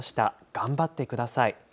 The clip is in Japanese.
頑張ってください。